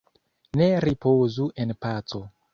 Ne ripozu en paco!